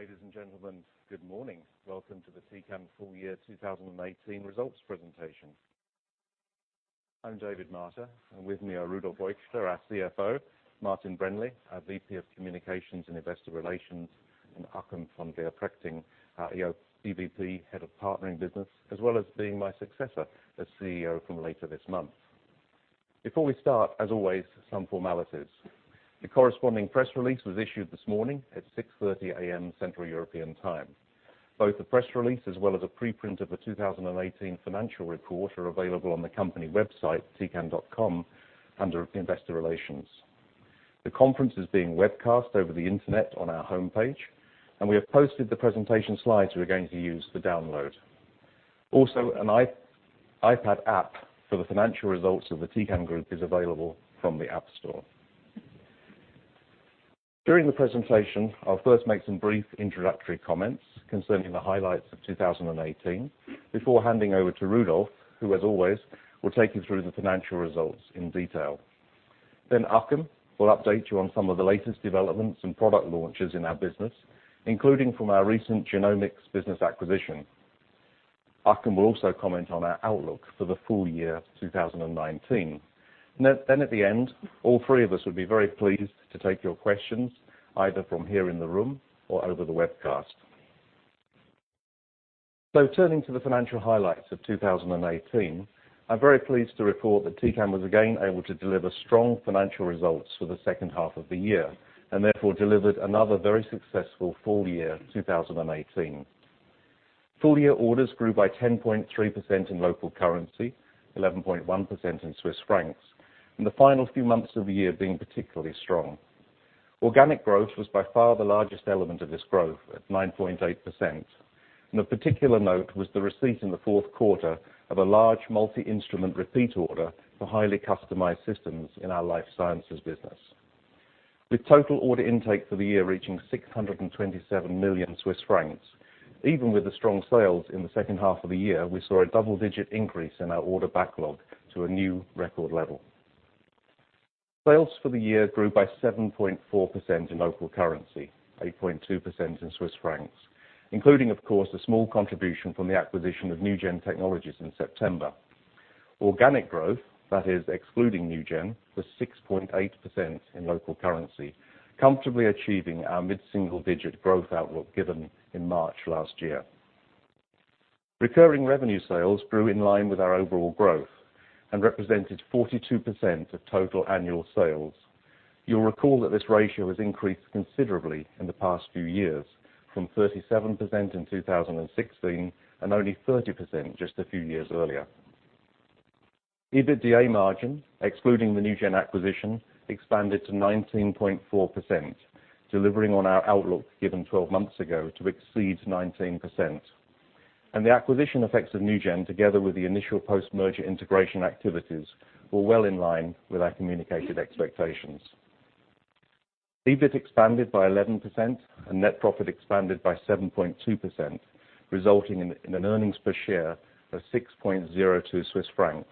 Ladies and gentlemen, good morning. Welcome to the Tecan full year 2018 results presentation. I'm David Martyr, with me are Rudolf Eugster, our CFO, Martin Brändle, our VP of Communications and Investor Relations, Achim von Leoprechting, our DVP Head of Partnering Business, as well as being my successor as CEO from later this month. Before we start, as always, some formalities. The corresponding press release was issued this morning at 6:30 A.M., Central European time. Both the press release as well as a preprint of the 2018 financial report are available on the company website, tecan.com, under Investor Relations. The conference is being webcast over the internet on our homepage, and we have posted the presentation slides we're going to use for download. Also, an iPad app for the financial results of the Tecan Group is available from the App Store. During the presentation, I'll first make some brief introductory comments concerning the highlights of 2018 before handing over to Rudolf, who, as always, will take you through the financial results in detail. Achim will update you on some of the latest developments and product launches in our business, including from our recent genomics business acquisition. Achim will also comment on our outlook for the full year 2019. At the end, all three of us would be very pleased to take your questions either from here in the room or over the webcast. Turning to the financial highlights of 2018, I'm very pleased to report that Tecan was again able to deliver strong financial results for the second half of the year, therefore delivered another very successful full year 2018. Full-year orders grew by 10.3% in local currency, 11.1% in CHF, the final few months of the year being particularly strong. Organic growth was by far the largest element of this growth at 9.8%. Of particular note was the receipt in the fourth quarter of a large multi-instrument repeat order for highly customized systems in our Life Sciences Business. With total order intake for the year reaching 627 million Swiss francs, even with the strong sales in the second half of the year, we saw a double-digit increase in our order backlog to a new record level. Sales for the year grew by 7.4% in local currency, 8.2% in CHF, including, of course, a small contribution from the acquisition of NuGEN Technologies in September. Organic growth, that is excluding NuGEN, was 6.8% in local currency, comfortably achieving our mid-single-digit growth outlook given in March last year. Recurring revenue sales grew in line with our overall growth and represented 42% of total annual sales. You'll recall that this ratio has increased considerably in the past few years from 37% in 2016 and only 30% just a few years earlier. EBITDA margin, excluding the NuGEN acquisition, expanded to 19.4%, delivering on our outlook given 12 months ago to exceed 19%. The acquisition effects of NuGEN, together with the initial post-merger integration activities, were well in line with our communicated expectations. EBIT expanded by 11%, net profit expanded by 7.2%, resulting in an earnings per share of 6.02 Swiss francs,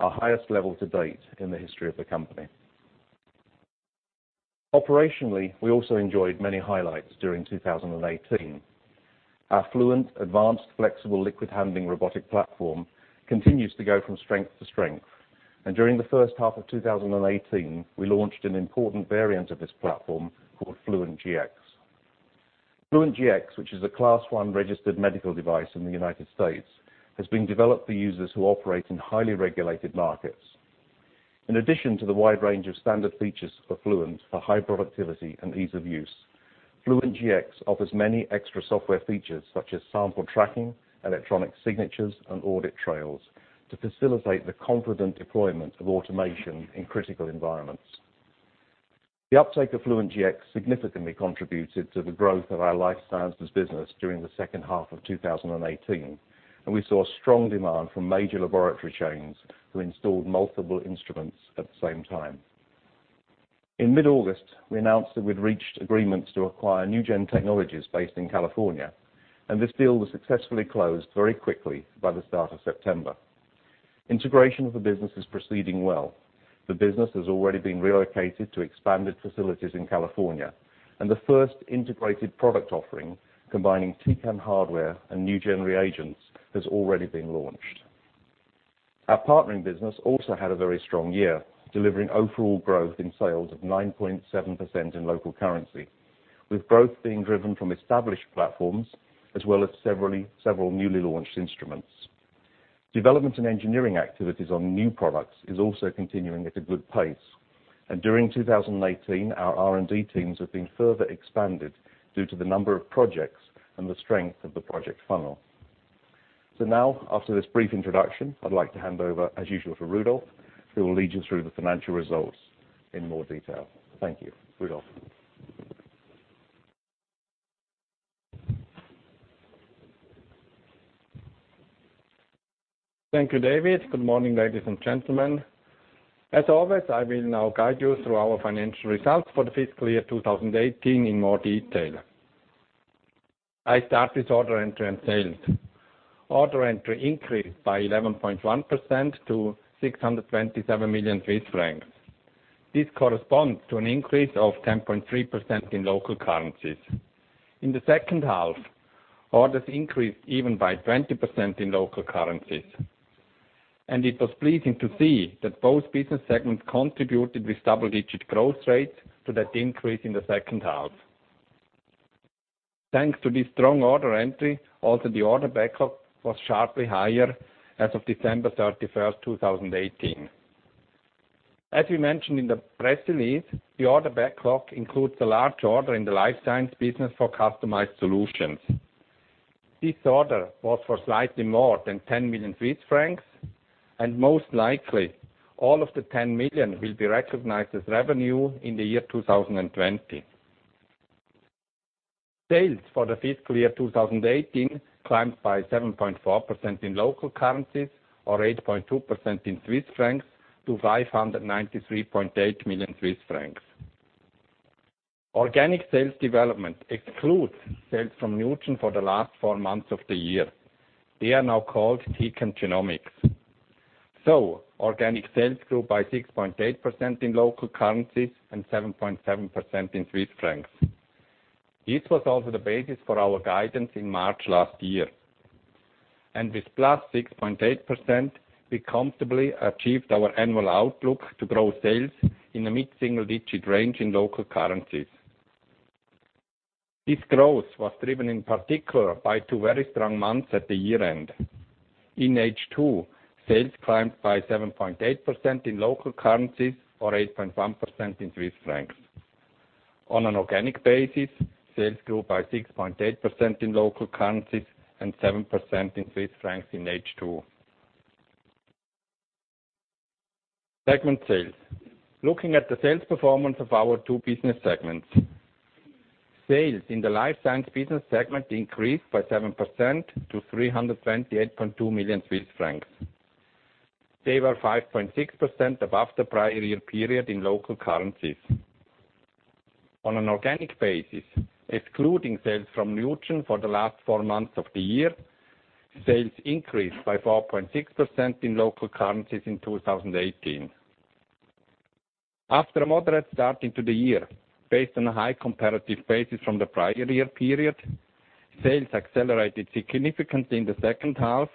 our highest level to date in the history of the company. Operationally, we also enjoyed many highlights during 2018. Our Fluent advanced flexible liquid handling robotic platform continues to go from strength to strength, and during the first half of 2018, we launched an important variant of this platform called Fluent Gx. Fluent Gx, which is a Class 1 registered medical device in the U.S., has been developed for users who operate in highly regulated markets. In addition to the wide range of standard features for Fluent for high productivity and ease of use, Fluent Gx offers many extra software features such as sample tracking, electronic signatures, and audit trails to facilitate the confident deployment of automation in critical environments. The uptake of Fluent Gx significantly contributed to the growth of our Life Sciences Business during the second half of 2018, and we saw strong demand from major laboratory chains who installed multiple instruments at the same time. In mid-August, we announced that we'd reached agreements to acquire NuGEN Technologies based in California. This deal was successfully closed very quickly by the start of September. Integration of the business is proceeding well. The business has already been relocated to expanded facilities in California. The first integrated product offering, combining Tecan hardware and NuGEN reagents, has already been launched. Our Partnering Business also had a very strong year, delivering overall growth in sales of 9.7% in local currency, with growth being driven from established platforms as well as several newly launched instruments. Development and engineering activities on new products is also continuing at a good pace. During 2018, our R&D teams have been further expanded due to the number of projects and the strength of the project funnel. Now, after this brief introduction, I'd like to hand over, as usual, to Rudolf, who will lead you through the financial results in more detail. Thank you. Rudolf. Thank you, David. Good morning, ladies and gentlemen. As always, I will now guide you through our financial results for the fiscal year 2018 in more detail. I start with order entry and sales. Order entry increased by 11.1% to 627 million Swiss francs. This corresponds to an increase of 10.3% in local currencies. In the second half, orders increased even by 20% in local currencies. It was pleasing to see that both business segments contributed with double-digit growth rates to that increase in the second half. Thanks to this strong order entry, also the order backlog was sharply higher as of December 31st, 2018. As we mentioned in the press release, the order backlog includes a large order in the Life Sciences Business for customized solutions. This order was for slightly more than 10 million Swiss francs, and most likely all of the 10 million will be recognized as revenue in 2020. Sales for the fiscal year 2018 climbed by 7.4% in local currencies or 8.2% in CHF to 593.8 million Swiss francs. Organic sales development excludes sales from NuGEN for the last four months of the year. They are now called Tecan Genomics. Organic sales grew by 6.8% in local currencies and 7.7% in CHF. This was also the basis for our guidance in March last year. With +6.8%, we comfortably achieved our annual outlook to grow sales in the mid-single-digit range in local currencies. This growth was driven in particular by two very strong months at the year-end. In H2, sales climbed by 7.8% in local currencies or 8.1% in CHF. On an organic basis, sales grew by 6.8% in local currencies and 7% in CHF in H2. Segment sales. Looking at the sales performance of our two business segments. Sales in the Life Sciences Business segment increased by 7% to 328.2 million Swiss francs. They were 5.6% above the prior year period in local currencies. On an organic basis, excluding sales from NuGEN for the last four months of the year, sales increased by 4.6% in local currencies in 2018. After a moderate start into the year based on a high comparative basis from the prior year period, sales accelerated significantly in the second half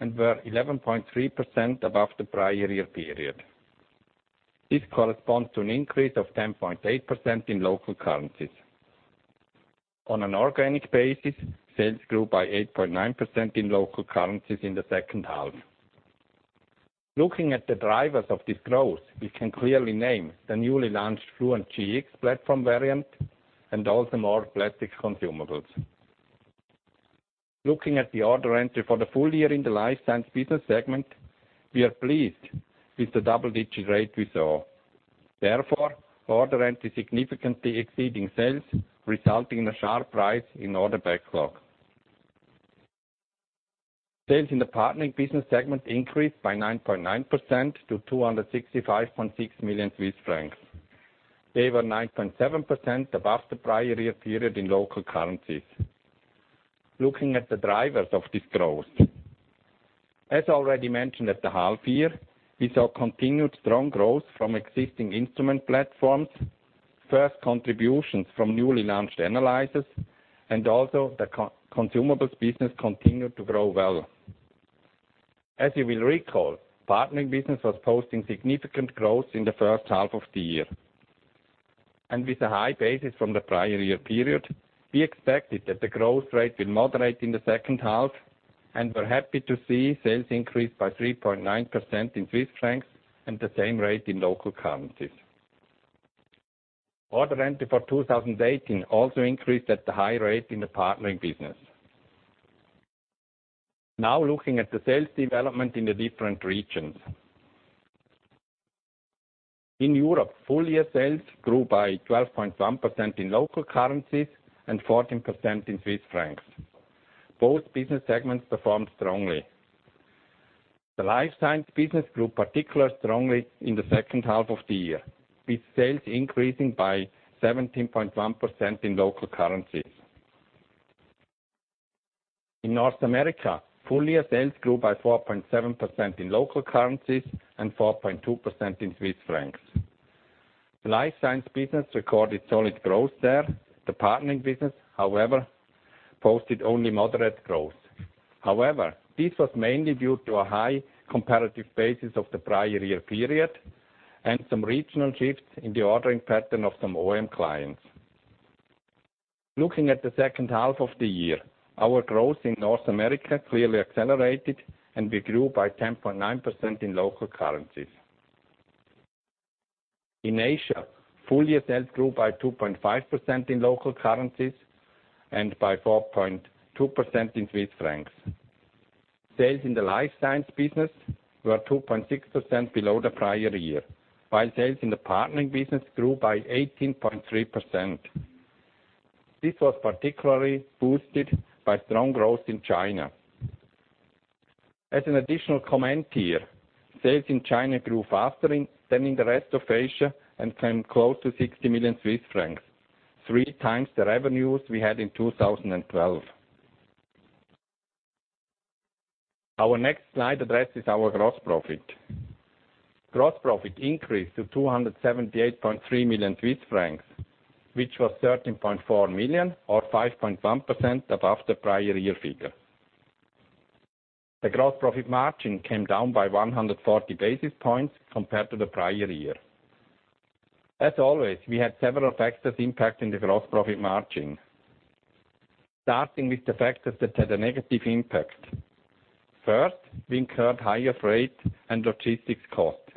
and were 11.3% above the prior year period. This corresponds to an increase of 10.8% in local currencies. On an organic basis, sales grew by 8.9% in local currencies in the second half. Looking at the drivers of this growth, we can clearly name the newly launched Fluent Gx platform variant and also more plastic consumables. Looking at the order entry for the full year in the Life Sciences Business segment, we are pleased with the double-digit rate we saw. Therefore, order entry significantly exceeding sales, resulting in a sharp rise in order backlog. Sales in the Partnering Business segment increased by 9.9% to 265.6 million Swiss francs. They were 9.7% above the prior year period in local currencies. Looking at the drivers of this growth. As already mentioned at the half year, we saw continued strong growth from existing instrument platforms, first contributions from newly launched analyzers, and also the consumables business continued to grow well. As you will recall, Partnering Business was posting significant growth in the first half of the year. With a high basis from the prior year period, we expected that the growth rate will moderate in the second half, and we're happy to see sales increase by 3.9% in CHF and the same rate in local currencies. Order entry for 2018 also increased at the high rate in the Partnering Business. Looking at the sales development in the different regions. In Europe, full-year sales grew by 12.1% in local currencies and 14% in CHF. Both business segments performed strongly. The Life Sciences Business grew particularly strongly in the second half of the year, with sales increasing by 17.1% in local currencies. In North America, full-year sales grew by 4.7% in local currencies and 4.2% in CHF. The Life Sciences Business recorded solid growth there. The Partnering Business, however, posted only moderate growth. However, this was mainly due to a high comparative basis of the prior year period and some regional shifts in the ordering pattern of some OEM clients. Looking at the second half of the year, our growth in North America clearly accelerated, and we grew by 10.9% in local currencies. In Asia, full-year sales grew by 2.5% in local currencies and by 4.2% in CHF. Sales in the Life Sciences Business were 2.6% below the prior year, while sales in the Partnering Business grew by 18.3%. This was particularly boosted by strong growth in China. As an additional comment here, sales in China grew faster than in the rest of Asia and came close to 60 million Swiss francs, three times the revenues we had in 2012. Our next slide addresses our gross profit. Gross profit increased to 278.3 million Swiss francs, which was 13.4 million or 5.1% above the prior year figure. The gross profit margin came down by 140 basis points compared to the prior year. As always, we had several factors impacting the gross profit margin. Starting with the factors that had a negative impact. First, we incurred higher freight and logistics costs.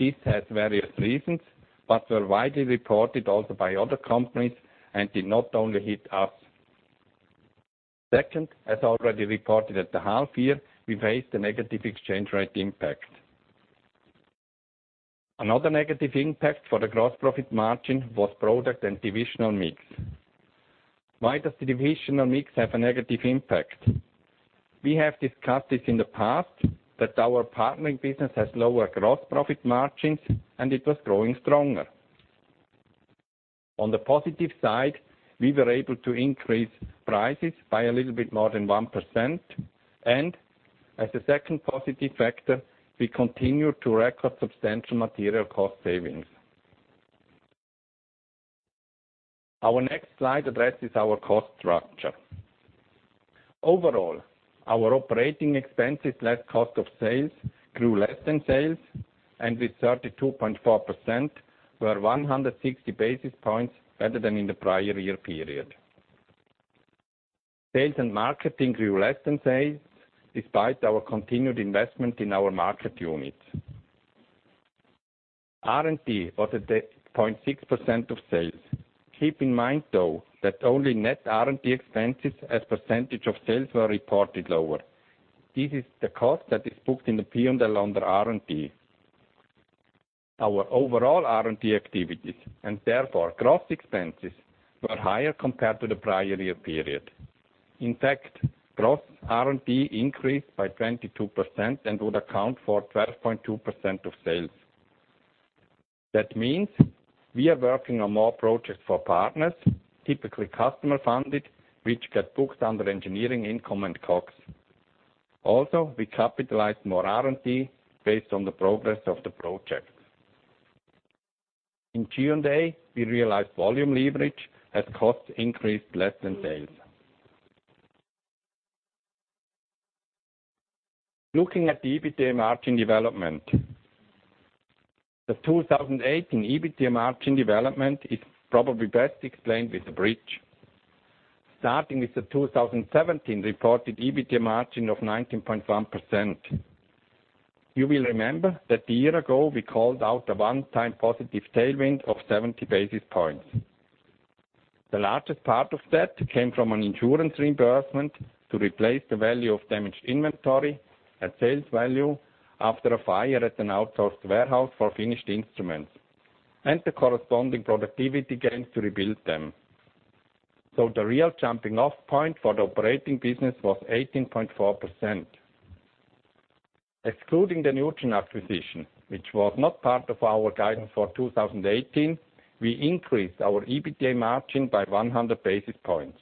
This has various reasons, were widely reported also by other companies and did not only hit us. Second, as already reported at the half year, we faced a negative exchange rate impact. Another negative impact for the gross profit margin was product and divisional mix. Why does the divisional mix have a negative impact? We have discussed this in the past, that our Partnering Business has lower gross profit margins, and it was growing stronger. On the positive side, we were able to increase prices by a little bit more than 1%, and as a second positive factor, we continued to record substantial material cost savings. Our next slide addresses our cost structure. Overall, our operating expenses, less cost of sales, grew less than sales, and with 32.4%, were 160 basis points better than in the prior year period. Sales and marketing grew less than sales, despite our continued investment in our market unit. R&D was at 8.6% of sales. Keep in mind, though, that only net R&D expenses as percentage of sales were reported lower. This is the cost that is booked in the P&L under R&D. Our overall R&D activities, and therefore gross expenses, were higher compared to the prior year period. In fact, gross R&D increased by 22% and would account for 12.2% of sales. That means we are working on more projects for partners, typically customer funded, which get booked under engineering income and COGS. We capitalize more R&D based on the progress of the projects. In G&A, we realized volume leverage as costs increased less than sales. Looking at the EBITDA margin development. The 2018 EBITDA margin development is probably best explained with a bridge. Starting with the 2017 reported EBITDA margin of 19.1%. You will remember that a year ago, we called out a one-time positive tailwind of 70 basis points. The largest part of that came from an insurance reimbursement to replace the value of damaged inventory at sales value after a fire at an outsourced warehouse for finished instruments, and the corresponding productivity gains to rebuild them. The real jumping-off point for the operating business was 18.4%. Excluding the NuGEN acquisition, which was not part of our guidance for 2018, we increased our EBITDA margin by 100 basis points.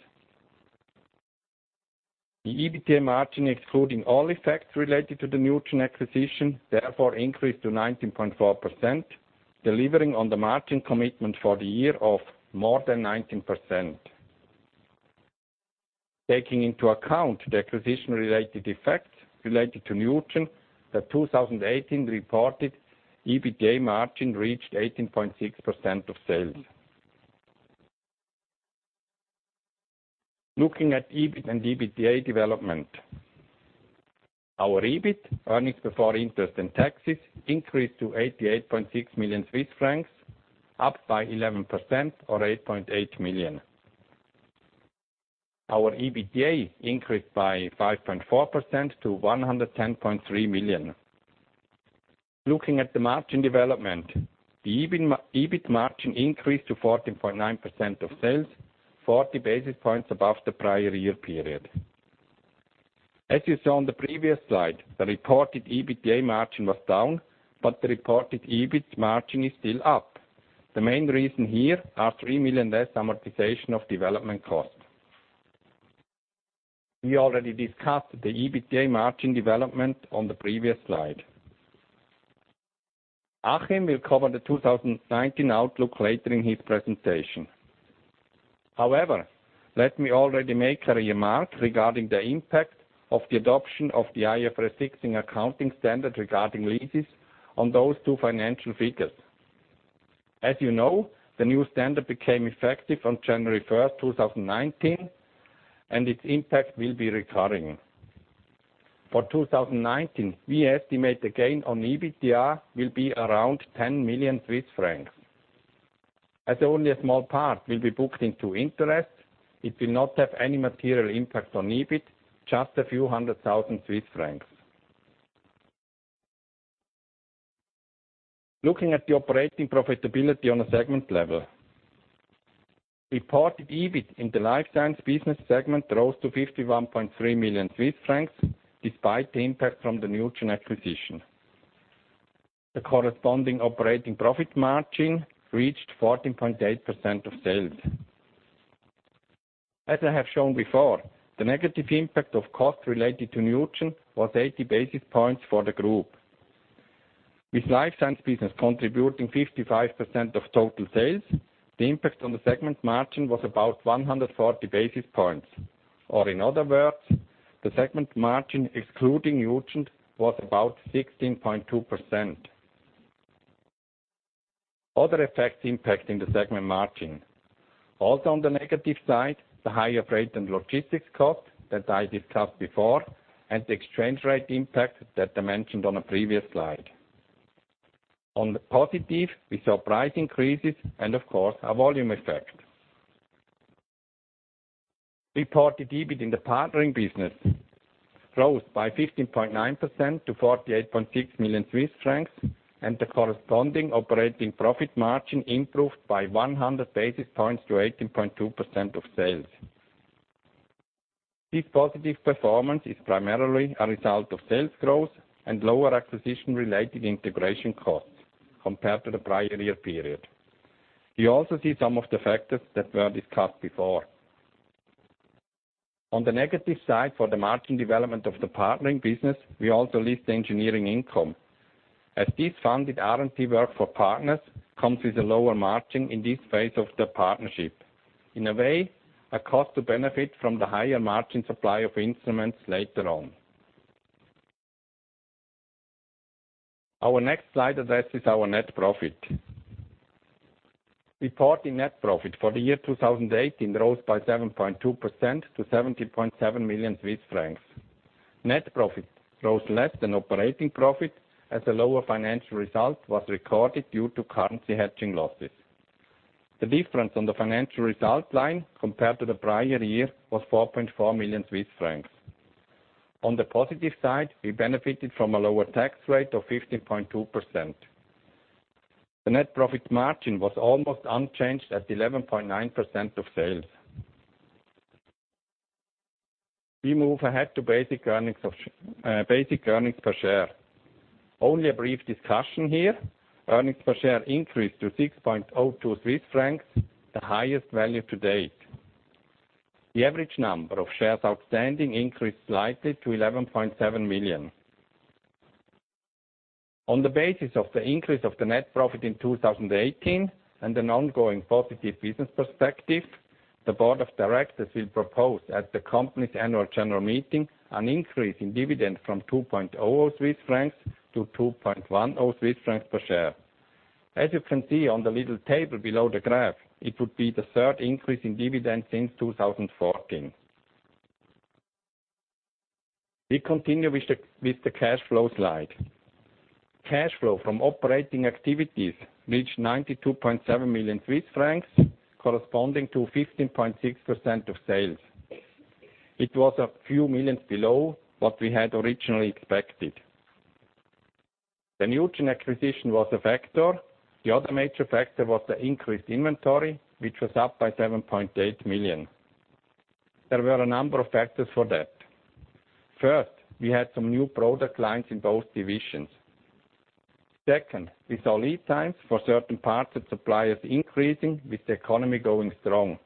The EBITDA margin, excluding all effects related to the NuGEN acquisition, therefore increased to 19.4%, delivering on the margin commitment for the year of more than 19%. Taking into account the acquisition-related effects related to NuGEN, the 2018 reported EBITDA margin reached 18.6% of sales. Looking at EBIT and EBITDA development. Our EBIT, earnings before interest and taxes, increased to 88.6 million Swiss francs, up by 11% or 8.8 million. Our EBITDA increased by 5.4% to 110.3 million. Looking at the margin development, the EBIT margin increased to 14.9% of sales, 40 basis points above the prior year period. As you saw on the previous slide, the reported EBITDA margin was down, but the reported EBIT margin is still up. The main reason here are 3 million less amortization of development costs. We already discussed the EBITDA margin development on the previous slide. Achim will cover the 2019 outlook later in his presentation. However, let me already make a remark regarding the impact of the adoption of the IFRS 16 accounting standard regarding leases on those two financial figures. As you know, the new standard became effective on January 1st, 2019, and its impact will be recurring. For 2019, we estimate the gain on EBITDA will be around 10 million Swiss francs. As only a small part will be booked into interest, it will not have any material impact on EBIT, just a few hundred thousand CHF. Looking at the operating profitability on a segment level. Reported EBIT in the Life Sciences Business segment rose to 51.3 million Swiss francs despite the impact from the NuGEN acquisition. The corresponding operating profit margin reached 14.8% of sales. As I have shown before, the negative impact of costs related to NuGEN was 80 basis points for the group. With Life Sciences Business contributing 55% of total sales, the impact on the segment margin was about 140 basis points, or in other words, the segment margin excluding NuGEN was about 16.2%. Other effects impacting the segment margin. Also on the negative side, the higher freight and logistics costs that I discussed before, and the exchange rate impact that I mentioned on a previous slide. On the positive, we saw price increases and of course, a volume effect. Reported EBIT in the Partnering Business grows by 15.9% to 48.6 million Swiss francs, and the corresponding operating profit margin improved by 100 basis points to 18.2% of sales. This positive performance is primarily a result of sales growth and lower acquisition-related integration costs compared to the prior year period. You also see some of the factors that were discussed before. On the negative side for the margin development of the Partnering Business, we also list engineering income, as this funded R&D work for partners comes with a lower margin in this phase of the partnership. In a way, a cost to benefit from the higher margin supply of instruments later on. Our next slide addresses our net profit. Reported net profit for the year 2018 rose by 7.2% to 70.7 million Swiss francs. Net profit rose less than operating profit, as a lower financial result was recorded due to currency hedging losses. The difference on the financial result line compared to the prior year was 4.4 million Swiss francs. On the positive side, we benefited from a lower tax rate of 15.2%. The net profit margin was almost unchanged at 11.9% of sales. We move ahead to basic earnings per share. Only a brief discussion here. Earnings per share increased to 6.02 francs, the highest value to date. The average number of shares outstanding increased slightly to 11.7 million. On the basis of the increase of the net profit in 2018 and an ongoing positive business perspective, the board of directors will propose at the company's annual general meeting an increase in dividend from 2.00 Swiss francs to 2.10 Swiss francs per share. As you can see on the little table below the graph, it would be the third increase in dividends since 2014. We continue with the cash flow slide. Cash flow from operating activities reached 92.7 million Swiss francs, corresponding to 15.6% of sales. It was a few million below what we had originally expected. The NuGEN acquisition was a factor. The other major factor was the increased inventory, which was up by 7.8 million. There were a number of factors for that. First, we had some new product lines in both divisions. Second, we saw lead times for certain parts of suppliers increasing with the economy going strong.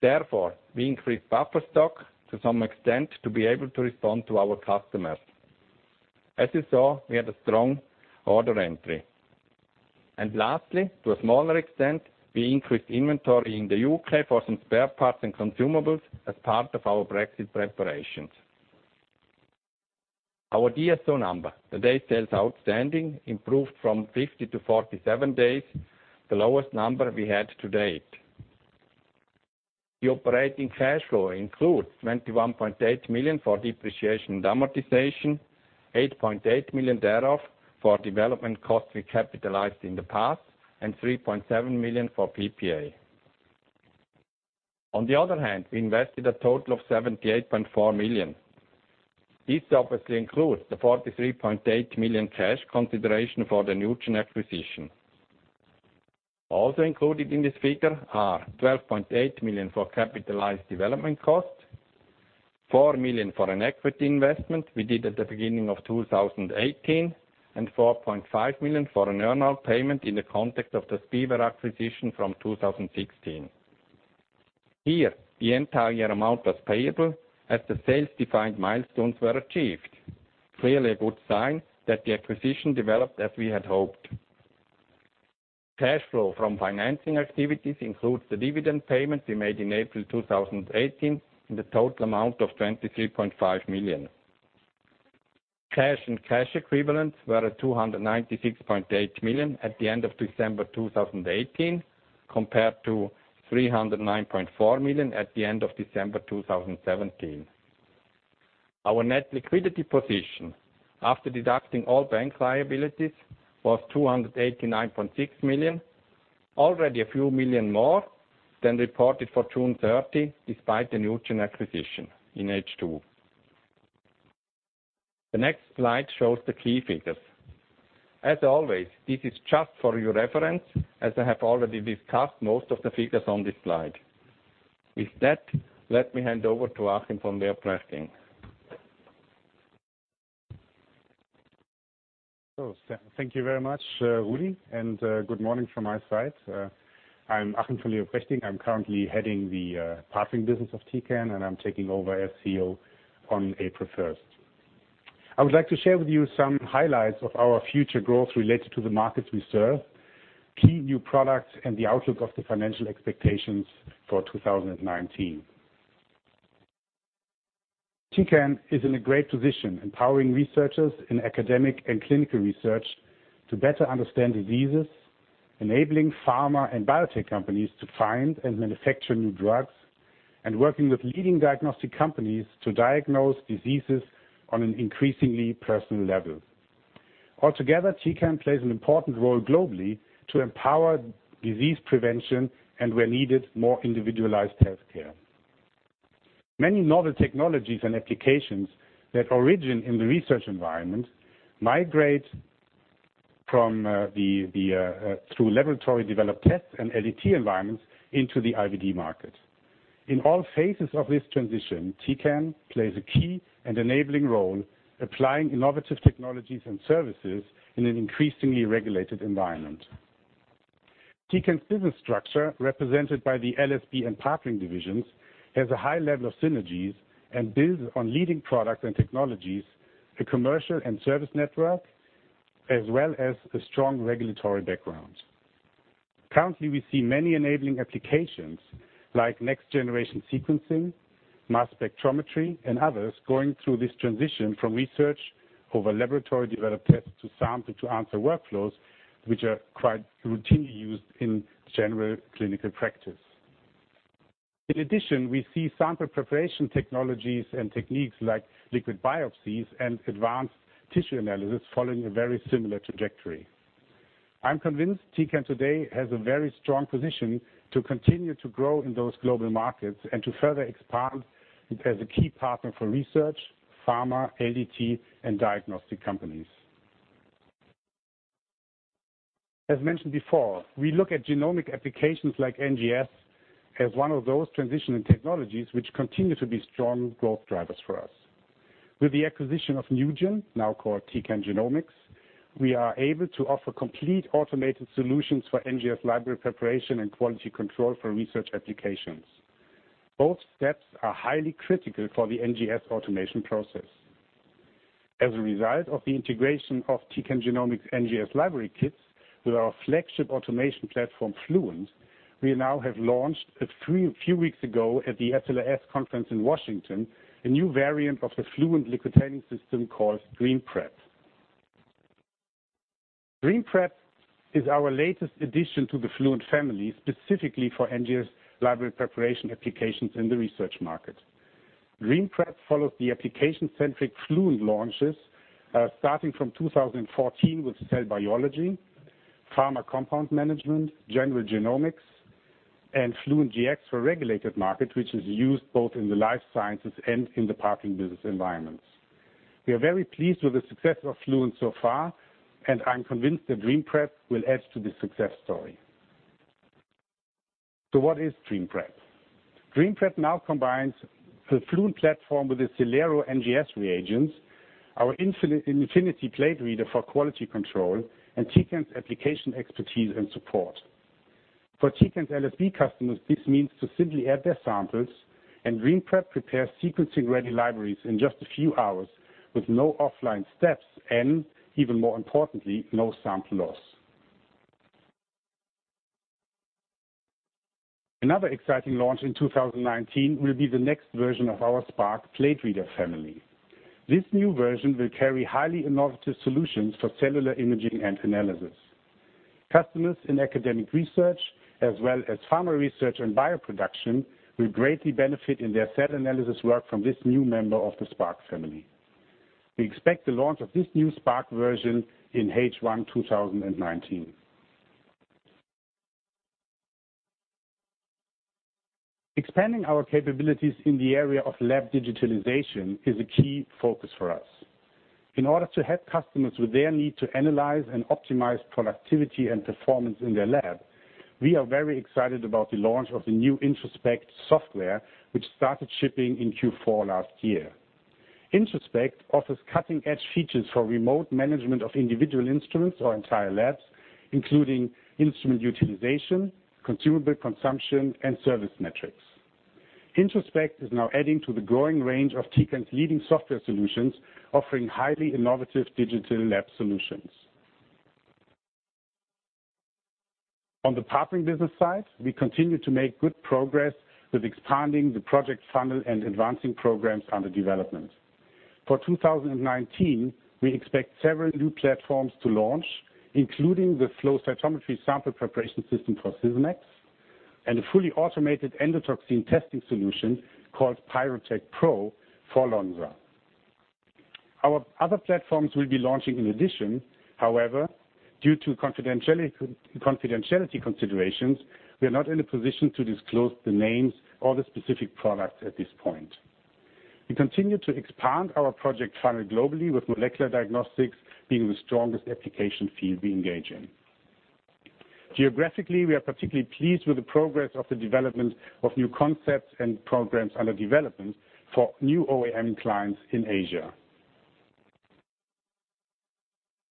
Therefore, we increased buffer stock to some extent to be able to respond to our customers. As you saw, we had a strong order entry. Lastly, to a smaller extent, we increased inventory in the U.K. for some spare parts and consumables as part of our Brexit preparations. Our DSO number, the days sales outstanding, improved from 50 to 47 days, the lowest number we had to date. The operating cash flow includes 21.8 million for depreciation and amortization, 8.8 million thereof for development costs we capitalized in the past, and 3.7 million for PPA. On the other hand, we invested a total of 78.4 million. This obviously includes the 43.8 million cash consideration for the NuGEN acquisition. Also included in this figure are 12.8 million for capitalized development costs, 4 million for an equity investment we did at the beginning of 2018, and 4.5 million for an earn-out payment in the context of the SPEware acquisition from 2016. Here, the entire amount was payable as the sales-defined milestones were achieved. Clearly a good sign that the acquisition developed as we had hoped. Cash flow from financing activities includes the dividend payment we made in April 2018 in the total amount of 23.5 million. Cash and cash equivalents were at 296.8 million at the end of December 2018, compared to 309.4 million at the end of December 2017. Our net liquidity position, after deducting all bank liabilities, was 289.6 million, already a few million more than reported for June 30, despite the NuGEN acquisition in H2. The next slide shows the key figures. As always, this is just for your reference, as I have already discussed most of the figures on this slide. With that, let me hand over to Achim von Leoprechting. Thank you very much, Rudy, and good morning from my side. I am Achim von Leoprechting. I am currently heading the Partnering Business of Tecan, and I am taking over as CEO on April 1st. I would like to share with you some highlights of our future growth related to the markets we serve, key new products, and the outlook of the financial expectations for 2019. Tecan is in a great position, empowering researchers in academic and clinical research to better understand diseases, enabling pharma and biotech companies to find and manufacture new drugs, and working with leading diagnostic companies to diagnose diseases on an increasingly personal level. Altogether, Tecan plays an important role globally to empower disease prevention, and where needed, more individualized healthcare. Many novel technologies and applications that origin in the research environment migrate through laboratory-developed tests and LDT environments into the IVD market. In all phases of this transition, Tecan plays a key and enabling role, applying innovative technologies and services in an increasingly regulated environment. Tecan's business structure, represented by the LSB and Partnering divisions, has a high level of synergies and builds on leading products and technologies, a commercial and service network, as well as a strong regulatory background. Currently, we see many enabling applications like next generation sequencing, mass spectrometry, and others going through this transition from research over laboratory-developed tests to sample to answer workflows, which are quite routinely used in general clinical practice. In addition, we see sample preparation technologies and techniques like liquid biopsies and advanced tissue analysis following a very similar trajectory. I am convinced Tecan today has a very strong position to continue to grow in those global markets and to further expand as a key partner for research, pharma, LDT, and diagnostic companies. As mentioned before, we look at genomic applications like NGS as one of those transitioning technologies which continue to be strong growth drivers for us. With the acquisition of NuGEN, now called Tecan Genomics, we are able to offer complete automated solutions for NGS library preparation and quality control for research applications. Both steps are highly critical for the NGS automation process. As a result of the integration of Tecan Genomics NGS library kits with our flagship automation platform, Fluent, we now have launched a few weeks ago at the SLAS conference in Washington, a new variant of the Fluent liquid handling system called GenPrep. GenPrep is our latest addition to the Fluent family, specifically for NGS library preparation applications in the research market. GenPrep follows the application-centric Fluent launches, starting from 2014 with cell biology, pharma compound management, general genomics and Fluent Gx for regulated market, which is used both in the life sciences and in the Partnering Business environments. We are very pleased with the success of Fluent so far, and I am convinced that GenPrep will add to the success story. What is GenPrep? GenPrep now combines the Fluent platform with the Celero NGS reagents, our Infinite plate reader for quality control, and Tecan's application expertise and support. For Tecan's LSB customers, this means to simply add their samples and GenPrep prepares sequencing-ready libraries in just a few hours with no offline steps and, even more importantly, no sample loss. Another exciting launch in 2019 will be the next version of our Spark plate reader family. This new version will carry highly innovative solutions for cellular imaging and analysis. Customers in academic research, as well as pharma research and bioproduction, will greatly benefit in their cell analysis work from this new member of the Spark family. We expect the launch of this new Spark version in H1 2019. Expanding our capabilities in the area of lab digitalization is a key focus for us. In order to help customers with their need to analyze and optimize productivity and performance in their lab, we are very excited about the launch of the new Introspect software, which started shipping in Q4 last year. Introspect offers cutting-edge features for remote management of individual instruments or entire labs, including instrument utilization, consumable consumption, and service metrics. Introspect is now adding to the growing range of Tecan's leading software solutions, offering highly innovative digital lab solutions. On the Partnering business side, we continue to make good progress with expanding the project funnel and advancing programs under development. For 2019, we expect several new platforms to launch, including the flow cytometry sample preparation system for Sysmex, and a fully automated endotoxin testing solution called PyroTec PRO for Lonza. Our other platforms will be launching in addition. Due to confidentiality considerations, we are not in a position to disclose the names or the specific products at this point. We continue to expand our project funnel globally, with molecular diagnostics being the strongest application field we engage in. Geographically, we are particularly pleased with the progress of the development of new concepts and programs under development for new OEM clients in Asia.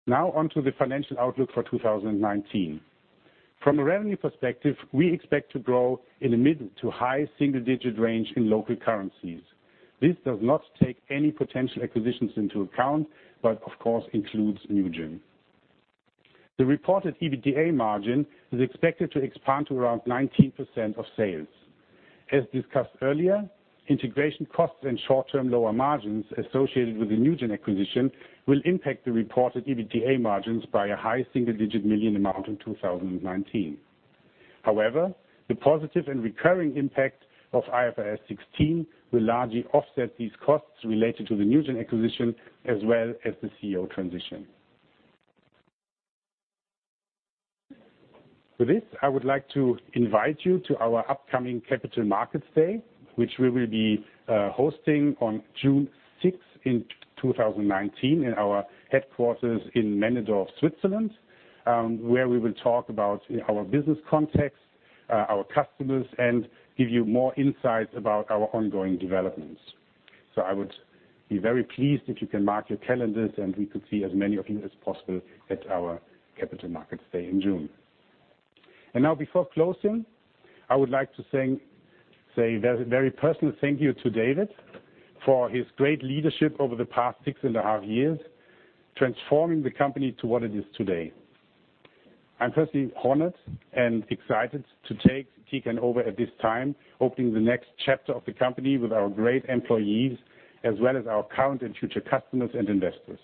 On to the financial outlook for 2019. From a revenue perspective, we expect to grow in the mid to high single-digit range in local currencies. This does not take any potential acquisitions into account, but of course includes NuGEN. The reported EBITDA margin is expected to expand to around 19% of sales. As discussed earlier, integration costs and short-term lower margins associated with the NuGEN acquisition will impact the reported EBITDA margins by a high single-digit million amount in 2019. The positive and recurring impact of IFRS 16 will largely offset these costs related to the NuGEN acquisition as well as the CEO transition. I would like to invite you to our upcoming Capital Markets Day, which we will be hosting on June 6th in 2019 in our headquarters in Männedorf, Switzerland, where we will talk about our business context, our customers, and give you more insights about our ongoing developments. I would be very pleased if you can mark your calendars, and we could see as many of you as possible at our Capital Markets Day in June. Now, before closing, I would like to say a very personal thank you to David for his great leadership over the past six and a half years, transforming the company to what it is today. I'm personally honored and excited to take Tecan over at this time, opening the next chapter of the company with our great employees as well as our current and future customers and investors.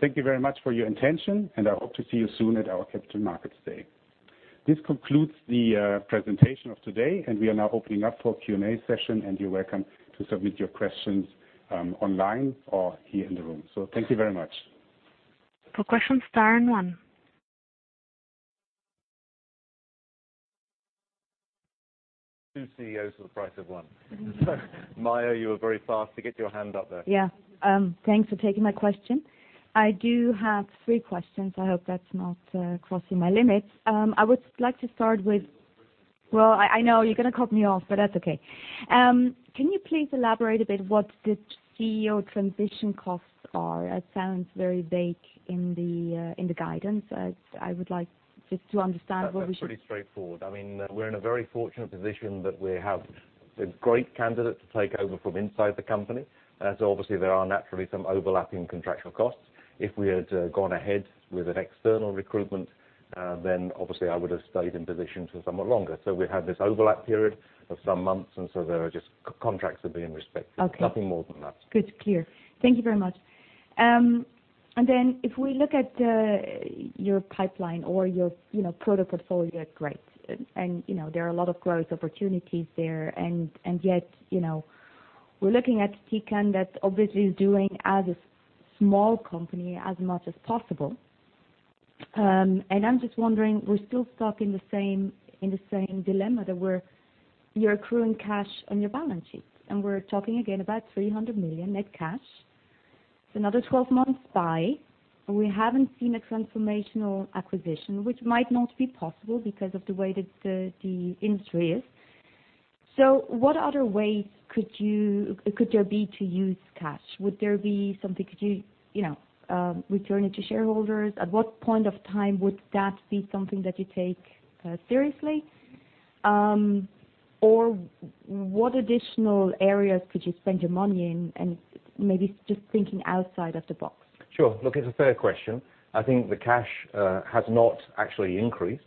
Thank you very much for your attention, and I hope to see you soon at our Capital Markets Day. This concludes the presentation of today, and we are now opening up for a Q&A session, and you're welcome to submit your questions online or here in the room. Thank you very much. For questions, star and one. Two CEOs for the price of one. Maja, you were very fast to get your hand up there. Thanks for taking my question. I do have three questions. I hope that's not crossing my limits. I would like to start with, I know you're going to cut me off, but that's okay. Can you please elaborate a bit what the CEO transition costs are? That sounds very vague in the guidance. I would like just to understand. That's pretty straightforward. We're in a very fortunate position that we have a great candidate to take over from inside the company. Obviously there are naturally some overlapping contractual costs. If we had gone ahead with an external recruitment, then obviously I would have stayed in position for somewhat longer. We have this overlap period of some months, there are just contracts are being respected. Okay. Nothing more than that. Good. Clear. Thank you very much. Then if we look at your pipeline or your product portfolio, great. There are a lot of growth opportunities there, yet, we're looking at Tecan that obviously is doing, as a small company, as much as possible. I'm just wondering, we're still stuck in the same dilemma that you're accruing cash on your balance sheet, we're talking again about 300 million net cash. Another 12 months by, we haven't seen a transformational acquisition, which might not be possible because of the way that the industry is. What other ways could there be to use cash? Would there be something, could you return it to shareholders? At what point of time would that be something that you take seriously? What additional areas could you spend your money in? Maybe just thinking outside of the box. Sure. Look, it's a fair question. I think the cash has not actually increased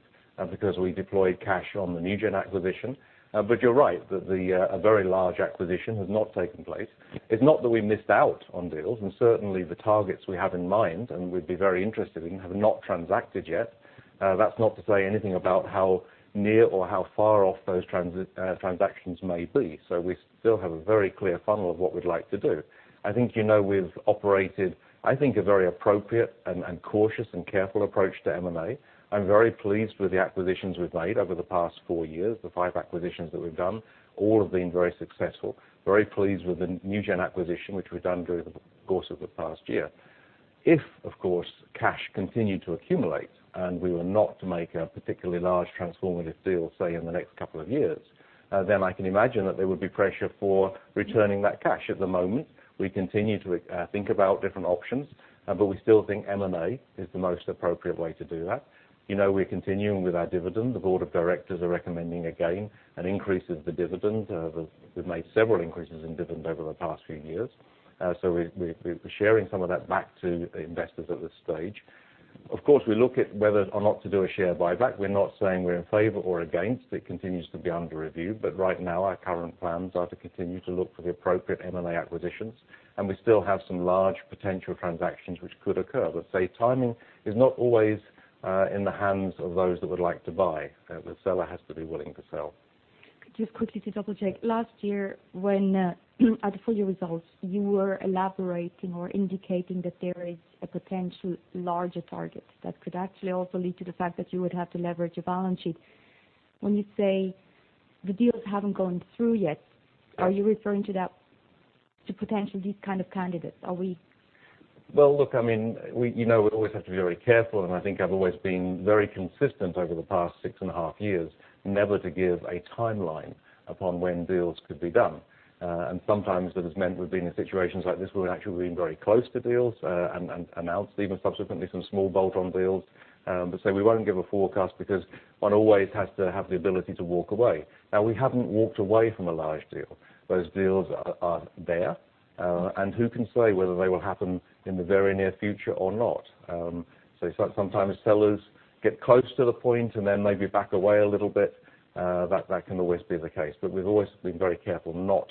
because we deployed cash on the NuGEN acquisition. You're right that a very large acquisition has not taken place. It's not that we missed out on deals and certainly the targets we have in mind, and we'd be very interested in, have not transacted yet. That's not to say anything about how near or how far off those transactions may be. We still have a very clear funnel of what we'd like to do. I think we've operated, I think, a very appropriate and cautious and careful approach to M&A. I'm very pleased with the acquisitions we've made over the past four years. The five acquisitions that we've done, all have been very successful. Very pleased with the NuGEN acquisition, which we've done during the course of the past year. If, of course, cash continued to accumulate and we were not to make a particularly large transformative deal, say, in the next couple of years, then I can imagine that there would be pressure for returning that cash. At the moment, we continue to think about different options. We still think M&A is the most appropriate way to do that. We're continuing with our dividend. The board of directors are recommending again an increase of the dividend. We've made several increases in dividend over the past few years. We're sharing some of that back to investors at this stage. Of course, we look at whether or not to do a share buyback. We're not saying we're in favor or against. It continues to be under review. Right now, our current plans are to continue to look for the appropriate M&A acquisitions, and we still have some large potential transactions which could occur. Say, timing is not always in the hands of those that would like to buy. The seller has to be willing to sell. Just quickly to double-check. Last year, at the full year results, you were elaborating or indicating that there is a potential larger target that could actually also lead to the fact that you would have to leverage your balance sheet. When you say the deals haven't gone through yet, are you referring to that to potential these kind of candidates? Are we- Well, look, we always have to be very careful, and I think I've always been very consistent over the past six and a half years, never to give a timeline upon when deals could be done. Sometimes that has meant we've been in situations like this where we've actually been very close to deals, and announced even subsequently some small bolt-on deals. We won't give a forecast because one always has to have the ability to walk away. We haven't walked away from a large deal. Those deals are there. Who can say whether they will happen in the very near future or not? Sometimes sellers get close to the point and then maybe back away a little bit. That can always be the case, but we've always been very careful not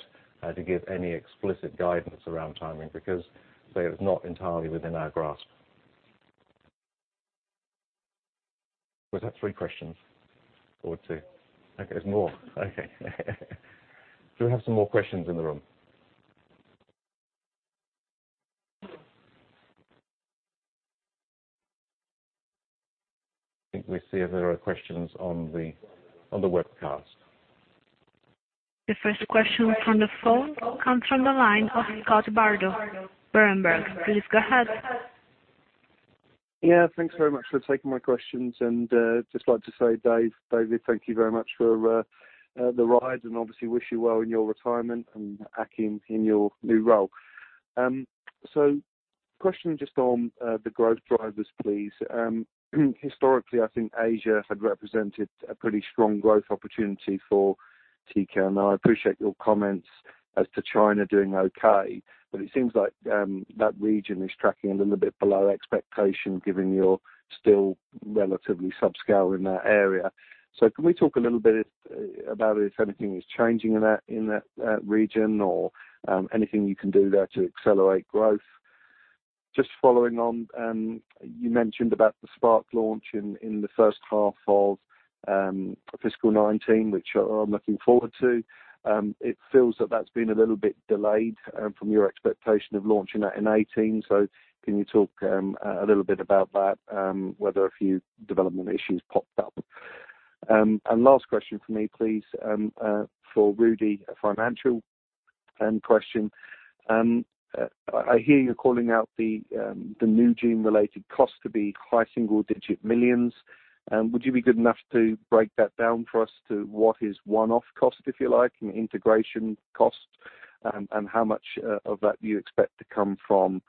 to give any explicit guidance around timing because that is not entirely within our grasp. Was that three questions or two? Okay, there's more. Okay. Do we have some more questions in the room? I think we see if there are questions on the webcast. The first question from the phone comes from the line of Scott Bardo, Berenberg. Please go ahead. Yeah. Thanks very much for taking my questions. Just like to say, Dave, David, thank you very much for the ride and obviously wish you well in your retirement, and Achim, in your new role. Question just on the growth drivers, please. Historically, I think Asia had represented a pretty strong growth opportunity for Tecan. I appreciate your comments as to China doing okay, it seems like that region is tracking a little bit below expectation given you're still relatively subscale in that area. Can we talk a little bit about if anything is changing in that region or anything you can do there to accelerate growth? Just following on, you mentioned about the Spark launch in the first half of fiscal 2019, which I'm looking forward to. It feels that that's been a little bit delayed from your expectation of launching that in 2018. Can you talk a little bit about that, whether a few development issues popped up? Last question from me, please, for Rudy, a financial question. I hear you're calling out the NuGEN-related cost to be high single digit millions. Would you be good enough to break that down for us to what is one-off cost, if you like, in integration cost? How much of that do you expect to come from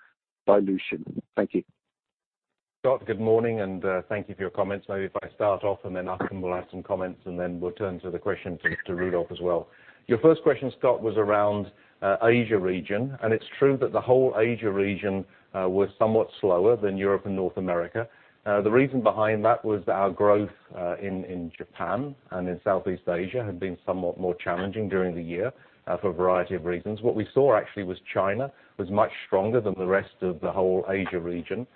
dilution? Thank you. Scott, good morning, and thank you for your comments. Maybe if I start off, then Achim will add some comments, then we'll turn to the question to Rudolf as well. Your first question, Scott, was around Asia region, and it's true that the whole Asia region was somewhat slower than Europe and North America. The reason behind that was our growth in Japan and in Southeast Asia had been somewhat more challenging during the year, for a variety of reasons. What we saw actually was China was much stronger than the rest of the whole Asia region.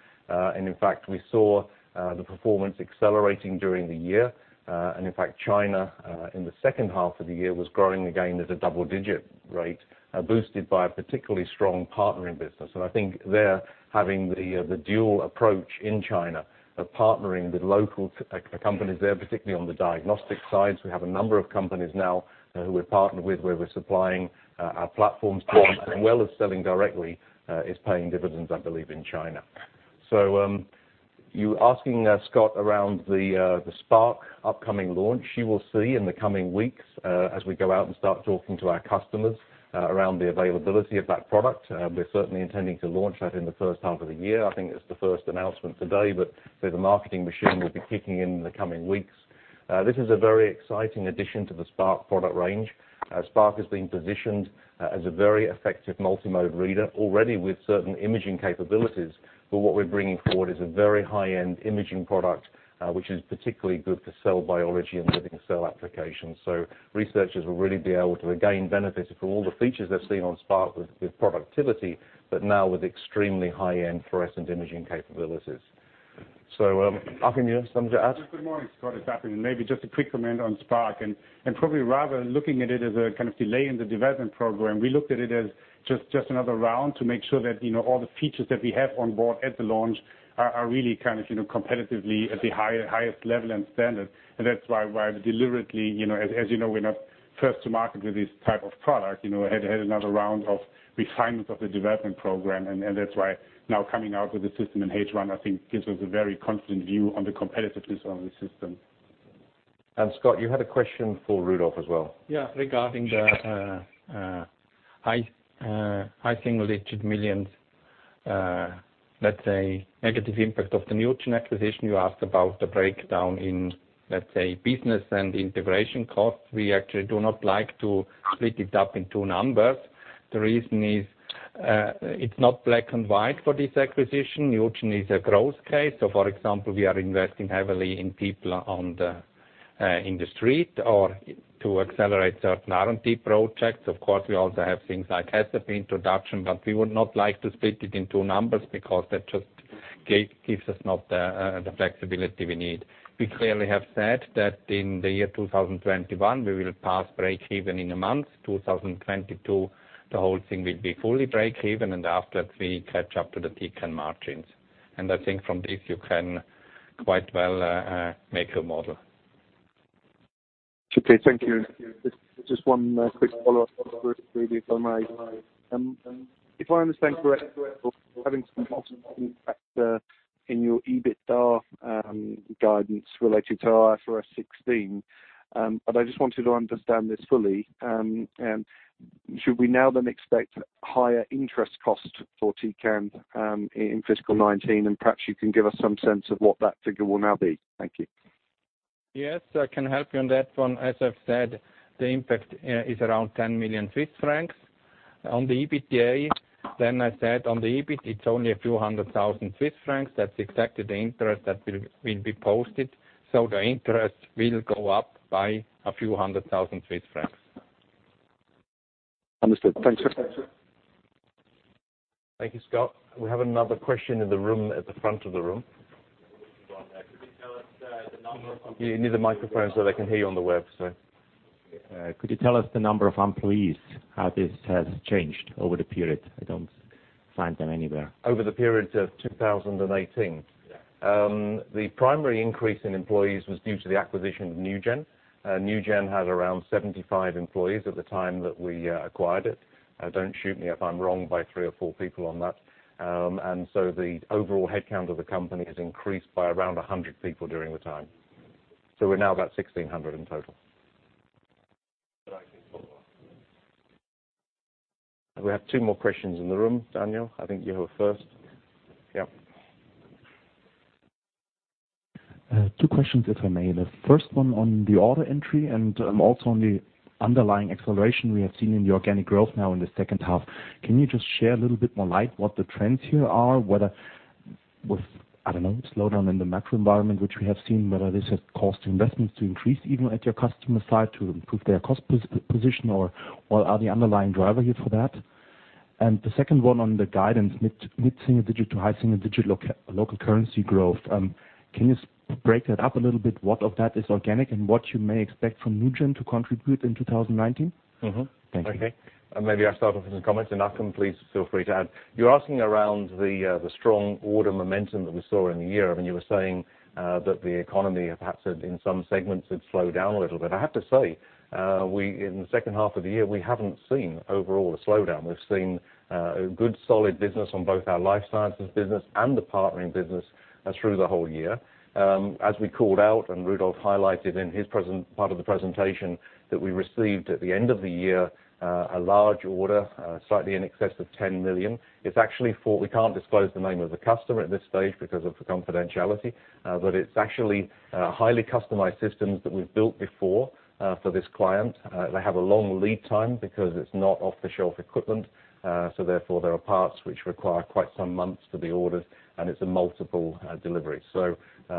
In fact, we saw the performance accelerating during the year. In fact, China, in the second half of the year, was growing again at a double-digit rate, boosted by a particularly strong Partnering Business. I think there, having the dual approach in China of partnering with local companies there, particularly on the diagnostic side, we have a number of companies now who we partner with where we're supplying our platforms to them, as well as selling directly, is paying dividends, I believe, in China. You asking, Scott, around the Spark upcoming launch. You will see in the coming weeks, as we go out and start talking to our customers around the availability of that product. We're certainly intending to launch that in the first half of the year. I think it's the first announcement today, the marketing machine will be kicking in in the coming weeks. This is a very exciting addition to the Spark product range. Spark is being positioned as a very effective multi-mode reader, already with certain imaging capabilities. What we're bringing forward is a very high-end imaging product, which is particularly good for cell biology and living cell applications. Researchers will really be able to gain benefit from all the features they've seen on Spark with productivity, but now with extremely high-end fluorescent imaging capabilities. Achim, you have something to add? Good morning, Scott. It's Achim. Maybe just a quick comment on Spark and probably rather looking at it as a kind of delay in the development program. We looked at it as just another round to make sure that all the features that we have on board at the launch are really kind of competitively at the highest level and standard. That's why we deliberately, as you know, we're not first to market with this type of product, had another round of refinement of the development program. That's why now coming out with the system in H1, I think gives us a very confident view on the competitiveness of the system. Scott, you had a question for Rudolf as well. Regarding the high single-digit millions, let's say negative impact of the NuGEN acquisition. You asked about the breakdown in, let's say, business and integration costs. We actually do not like to split it up in two numbers. The reason is, it's not black and white for this acquisition. NuGEN is a growth case. For example, we are investing heavily in people in the street or to accelerate certain R&D projects. Of course, we also have things like HASP introduction, but we would not like to split it in two numbers because that just gives us not the flexibility we need. We clearly have said that in the year 2021, we will pass breakeven in a month. 2022, the whole thing will be fully breakeven, and after that, we catch up to the Tecan margins. I think from this you can quite well make a model. Okay, thank you. Just one quick follow-up, Rudolf, if I may. If I understand correctly, having some positive impact in your EBITDA guidance related to IFRS 16, I just wanted to understand this fully. Should we now then expect higher interest costs for Tecan in fiscal 2019? Perhaps you can give us some sense of what that figure will now be. Thank you. Yes, I can help you on that one. As I've said, the impact is around 10 million Swiss francs. On the EBITDA, then I said on the EBIT, it's only a few hundred thousand CHF. That's exactly the interest that will be posted. The interest will go up by a few hundred thousand CHF. Understood. Thanks. Thank you, Scott. We have another question in the room, at the front of the room. Could you tell us the number of- You need the microphone so they can hear you on the web Could you tell us the number of employees, how this has changed over the period? I don't find them anywhere. Over the period of 2018? Yeah. The primary increase in employees was due to the acquisition of NuGEN. NuGEN had around 75 employees at the time that we acquired it. Don't shoot me if I'm wrong by three or four people on that. The overall headcount of the company has increased by around 100 people during the time. We're now about 1,600 in total. Thank you. We have two more questions in the room. Daniel, I think you were first. Yep. Two questions, if I may. The first one on the order entry, also on the underlying acceleration we have seen in the organic growth now in the second half. Can you just share a little bit more light what the trends here are, whether with, I don't know, slowdown in the macro environment, which we have seen, whether this has caused investments to increase even at your customer side to improve their cost position or what are the underlying driver here for that? The second one on the guidance, mid single digit to high single digit local currency growth. Can you break that up a little bit? What of that is organic, and what you may expect from NuGEN to contribute in 2019? Thank you. Okay. Maybe I'll start off with some comments, Achim, please feel free to add. You're asking around the strong order momentum that we saw in the year, and you were saying that the economy has perhaps in some segments had slowed down a little bit. I have to say, in the second half of the year, we haven't seen overall a slowdown. We've seen a good, solid business on both our Life Sciences Business and the Partnering Business through the whole year. As we called out and Rudolf highlighted in his part of the presentation, that we received at the end of the year, a large order, slightly in excess of 10 million. We can't disclose the name of the customer at this stage because of the confidentiality. It's actually highly customized systems that we've built before, for this client. They have a long lead time because it's not off-the-shelf equipment. Therefore, there are parts which require quite some months to be ordered, and it's a multiple delivery.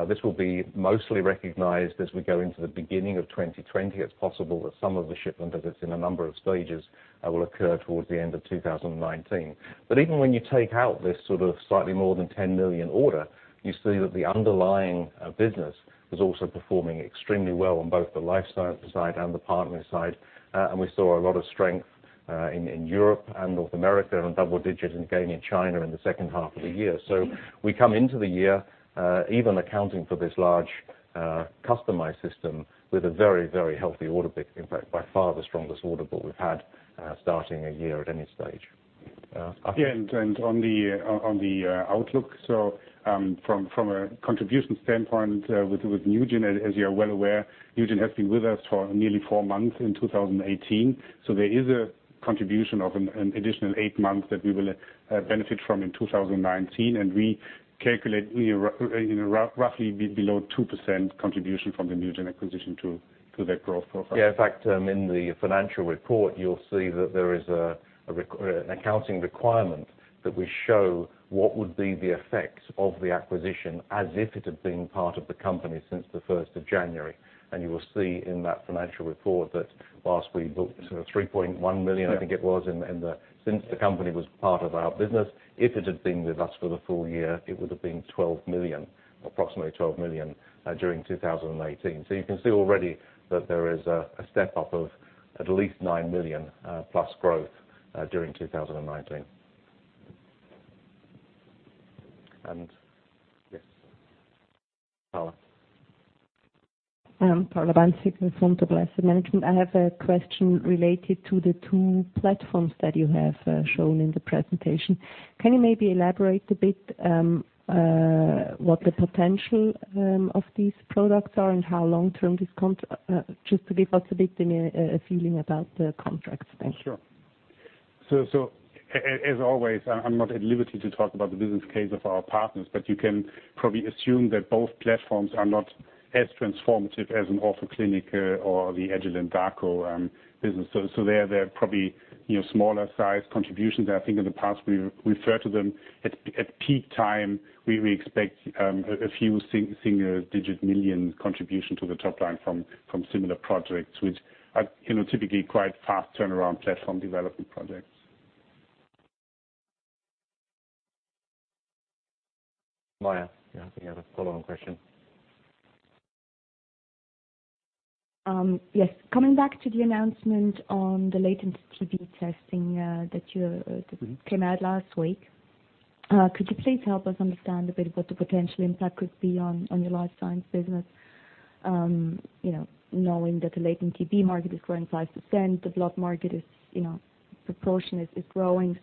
This will be mostly recognized as we go into the beginning of 2020. It's possible that some of the shipment, as it's in a number of stages, will occur towards the end of 2019. Even when you take out this sort of slightly more than 10 million order, you see that the underlying business is also performing extremely well on both the Life Sciences Business side and the Partnering Business side. We saw a lot of strength in Europe and North America, and double digits again in China in the second half of the year. We come into the year, even accounting for this large customized system with a very healthy order book. In fact, by far the strongest order book we've had, starting a year at any stage. Achim? On the outlook. From a contribution standpoint with NuGEN, as you are well aware, NuGEN has been with us for nearly 4 months in 2018. There is a contribution of an additional 8 months that we will benefit from in 2019. We calculate roughly below 2% contribution from the NuGEN acquisition to that growth profile. In fact, in the financial report, you'll see that there is an accounting requirement that we show what would be the effect of the acquisition as if it had been part of the company since the 1st of January. You will see in that financial report that whilst we booked sort of 3.1 million- Yeah I think it was, since the company was part of our business, if it had been with us for the full year, it would've been 12 million, approximately 12 million, during 2018. You can see already that there is a step-up of at least 9 million plus growth, during 2019. Yes, Carla. Carla Bänziger with Vontobel Asset Management. I have a question related to the two platforms that you have shown in the presentation. Can you maybe elaborate a bit, what the potential of these products are and how long-term this? Just to give us a bit, a feeling about the contracts. Thanks. Sure. As always, I'm not at liberty to talk about the business case of our partners, but you can probably assume that both platforms are not as transformative as an Ortho Clinic or the Agilent Dako business. They're probably smaller size contributions. I think in the past we refer to them at peak time, we expect a few single-digit million contribution to the top line from similar projects, which are typically quite fast turnaround platform development projects. Maja, you have a follow-on question. Yes. Coming back to the announcement on the latent TB testing that came out last week. Could you please help us understand a bit what the potential impact could be on your Life Sciences Business? Knowing that the latent TB market is growing 5%, the blood market proportion is growing.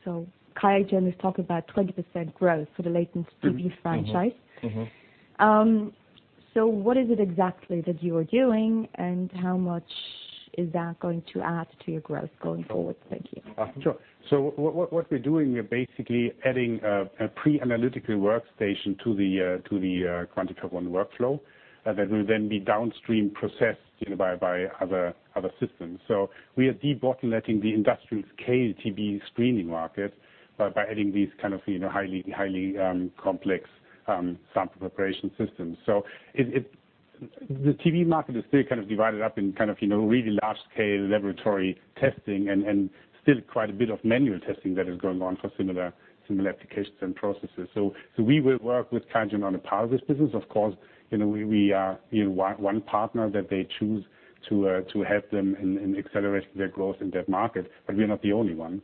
Qiagen is talking about 20% growth for the latent TB franchise. What is it exactly that you are doing, and how much is that going to add to your growth going forward? Thank you. Sure. What we're doing, we're basically adding a pre-analytical workstation to the QuantiFERON workflow that will then be downstream processed by other systems. We are debottlenecking the industrial scale TB screening market by adding these kind of highly complex sample preparation systems. The TB market is still kind of divided up in really large-scale laboratory testing and still quite a bit of manual testing that is going on for similar applications and processes. We will work with Qiagen on a part of this business. Of course, we are one partner that they choose to help them in accelerating their growth in that market, but we are not the only one.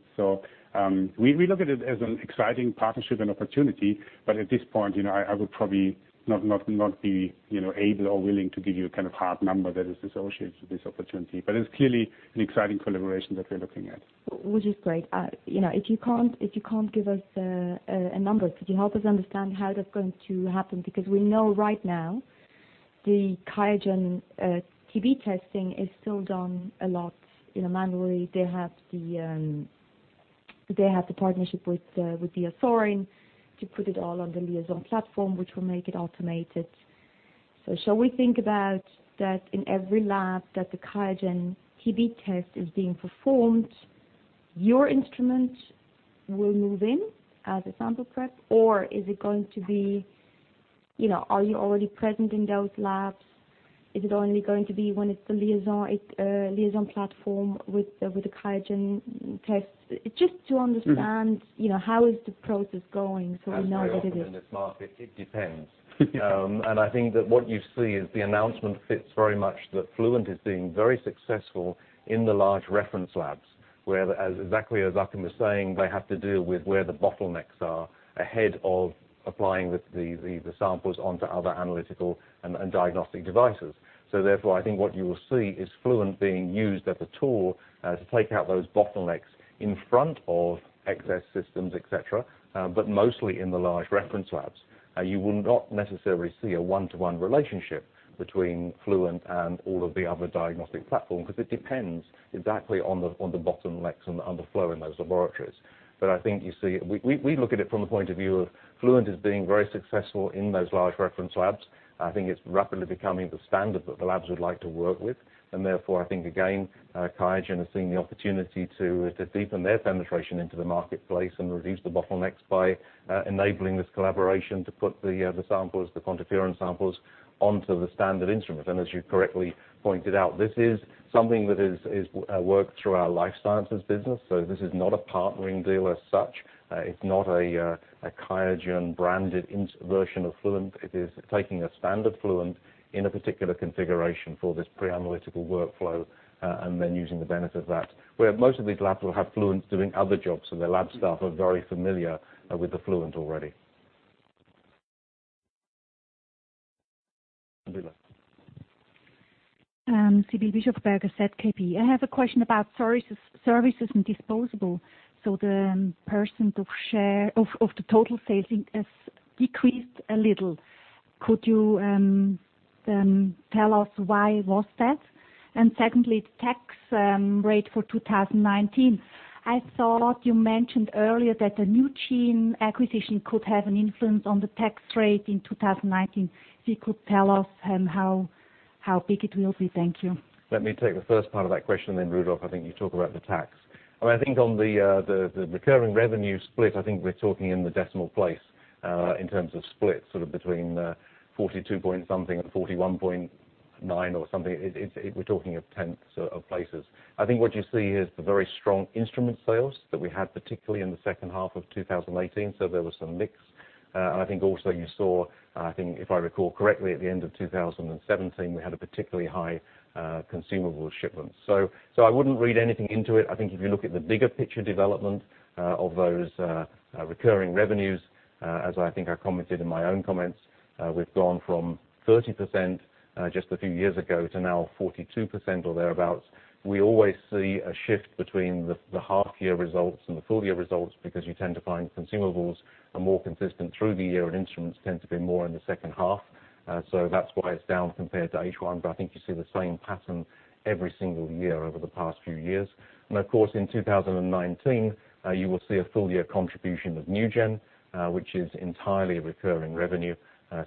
We look at it as an exciting partnership and opportunity. At this point, I would probably not be able or willing to give you a kind of hard number that is associated to this opportunity. It's clearly an exciting collaboration that we're looking at. Which is great. If you can't give us a number, could you help us understand how that's going to happen? We know right now the Qiagen TB testing is still done a lot manually. They have the partnership with the DiaSorin to put it all on the LIAISON platform, which will make it automated. Shall we think about that in every lab that the Qiagen TB test is being performed, your instrument will move in as a sample prep, or are you already present in those labs? Is it only going to be when it's the LIAISON platform with the Qiagen test? Just to understand how is the process going so we know that it is. As very often in this market, it depends. I think that what you see is the announcement fits very much that Fluent is being very successful in the large reference labs, where exactly as Achim was saying, they have to deal with where the bottlenecks are ahead of applying the samples onto other analytical and diagnostic devices. Therefore, I think what you will see is Fluent being used as a tool to take out those bottlenecks in front of excess systems, et cetera, but mostly in the large reference labs. You will not necessarily see a one-to-one relationship between Fluent and all of the other diagnostic platform, because it depends exactly on the bottlenecks and the flow in those laboratories. I think you see, we look at it from the point of view of Fluent as being very successful in those large reference labs. I think it's rapidly becoming the standard that the labs would like to work with. Therefore, I think, again, Qiagen has seen the opportunity to deepen their penetration into the marketplace and reduce the bottlenecks by enabling this collaboration to put the samples, the QuantiFERON samples, onto the standard instrument. As you correctly pointed out, this is something that is worked through our Life Sciences Business. This is not a partnering deal as such. It's not a Qiagen-branded version of Fluent. It is taking a standard Fluent in a particular configuration for this pre-analytical workflow, and then using the benefit of that. Where most of these labs will have Fluent doing other jobs, so their lab staff are very familiar with the Fluent already. Sybille. Sybille Bischoff, ZKB. I have a question about services and disposable. The percent of the total sales has decreased a little. Could you then tell us why was that? Secondly, the tax rate for 2019. I thought you mentioned earlier that the NuGEN acquisition could have an influence on the tax rate in 2019. If you could tell us how big it will be. Thank you. Let me take the first part of that question, and then Rudolf, I think you talk about the tax. I think on the recurring revenue split, I think we're talking in the decimal place, in terms of split, sort of between 42 point something and 41.9 or something. We're talking of tenths of places. I think what you see is the very strong instrument sales that we had, particularly in the second half of 2018. There was some mix. I think also you saw, I think if I recall correctly, at the end of 2017, we had a particularly high consumable shipment. I wouldn't read anything into it. I think if you look at the bigger picture development of those recurring revenues, as I think I commented in my own comments, we've gone from 30% just a few years ago to now 42% or thereabout. We always see a shift between the half year results and the full year results because you tend to find consumables are more consistent through the year, and instruments tend to be more in the second half. That's why it's down compared to H1, but I think you see the same pattern every single year over the past few years. Of course, in 2019, you will see a full year contribution of NuGEN, which is entirely recurring revenue.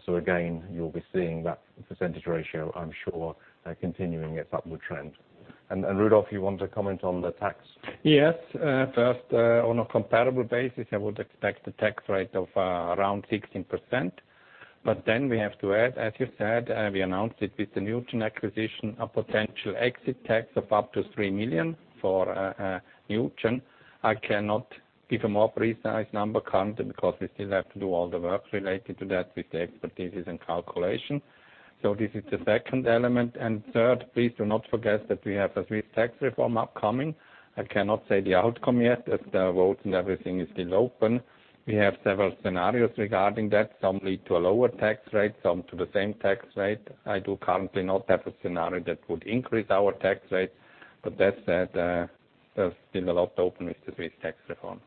Again, you'll be seeing that percentage ratio, I'm sure, continuing its upward trend. Rudolf, you want to comment on the tax? Yes. First, on a comparable basis, I would expect a tax rate of around 16%. Then we have to add, as you said, we announced it with the NuGEN acquisition, a potential exit tax of up to 3 million for NuGEN. I cannot give a more precise number currently because we still have to do all the work related to that with the expertise and calculation. So this is the second element. Third, please do not forget that we have a Swiss tax reform upcoming. I cannot say the outcome yet, as the votes and everything is still open. We have several scenarios regarding that. Some lead to a lower tax rate, some to the same tax rate. I do currently not have a scenario that would increase our tax rate, but that said, there's still a lot open with the Swiss tax reform.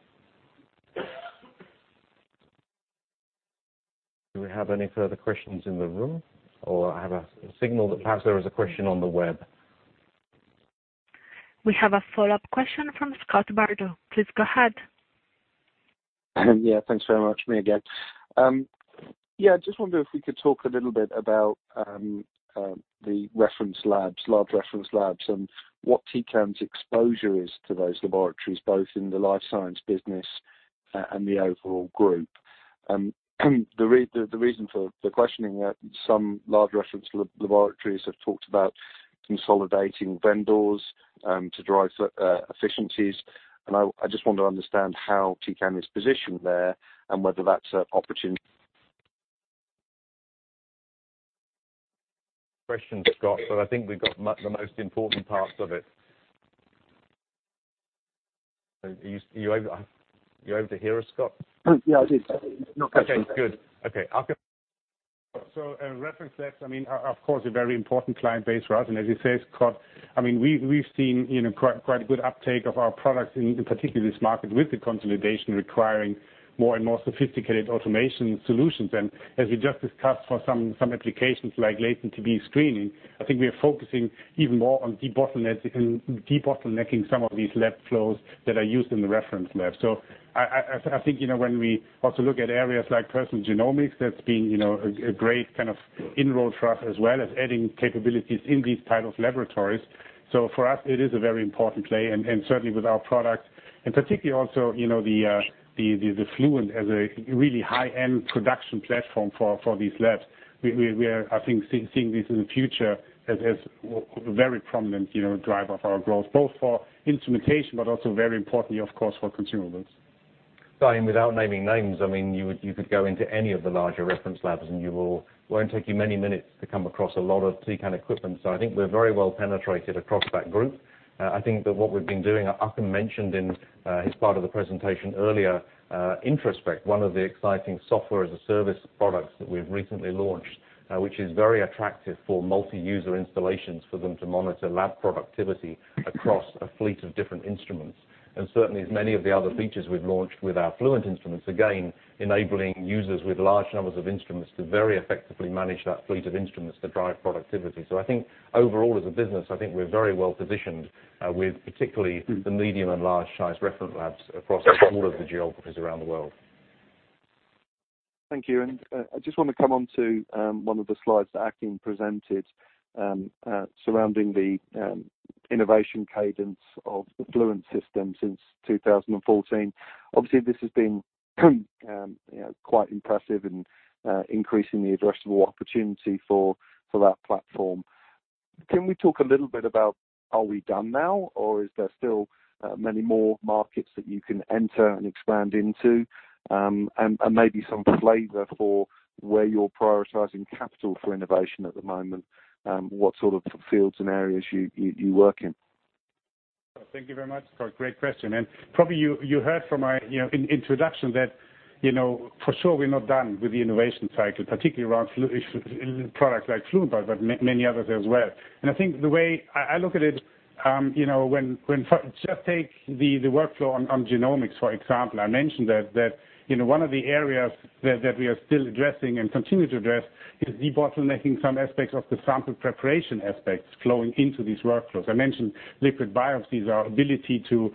Do we have any further questions in the room? I have a signal that perhaps there is a question on the web. We have a follow-up question from Scott Bardo. Please go ahead. Thanks very much. Me again. I just wonder if we could talk a little bit about the reference labs, large reference labs, and what Tecan's exposure is to those laboratories, both in the Life Sciences Business, and the overall group. The reason for the questioning, some large reference laboratories have talked about consolidating vendors to drive efficiencies. I just want to understand how Tecan is positioned there and whether that's an opportunity. Question, Scott. I think we got the most important parts of it. Are you able to hear us, Scott? Yeah, I did. No question. Okay, good. Okay, Achim. Reference labs, of course, a very important client base for us. As you say, Scott, we've seen quite a good uptake of our products in particularly this market with the consolidation requiring more and more sophisticated automation solutions. As we just discussed for some applications like latent TB screening, I think we are focusing even more on debottlenecking some of these lab flows that are used in the reference lab. I think, when we also look at areas like personal genomics, that's been a great kind of enroll for us, as well as adding capabilities in these type of laboratories. For us, it is a very important play and certainly with our products, and particularly also, the Fluent as a really high-end production platform for these labs. We are, I think, seeing this in the future as, very prominent driver for our growth, both for instrumentation, but also very importantly, of course, for consumables. I mean, without naming names, you could go into any of the larger reference labs, it won't take you many minutes to come across a lot of Tecan equipment. I think we're very well penetrated across that group. I think that what we've been doing, Achim mentioned in his part of the presentation earlier, Introspect, one of the exciting software as a service products that we've recently launched, which is very attractive for multi-user installations, for them to monitor lab productivity across a fleet of different instruments. Certainly as many of the other features we've launched with our Fluent instruments, again, enabling users with large numbers of instruments to very effectively manage that fleet of instruments to drive productivity. I think overall as a business, I think we're very well positioned, with particularly the medium and large size reference labs across all of the geographies around the world. Thank you. I just want to come on to one of the slides that Achim presented surrounding the innovation cadence of the Fluent system since 2014. Obviously, this has been quite impressive in increasing the addressable opportunity for that platform. Can we talk a little bit about are we done now, or is there still many more markets that you can enter and expand into? Maybe some flavor for where you're prioritizing capital for innovation at the moment, what sort of fields and areas you work in. Thank you very much, Scott. Great question. Probably you heard from our introduction that for sure we're not done with the innovation cycle, particularly around products like Fluent, but many others as well. I think the way I look at it, just take the workflow on genomics, for example. I mentioned that one of the areas that we are still addressing and continue to address is debottlenecking some aspects of the sample preparation aspects flowing into these workflows. I mentioned liquid biopsies, our ability to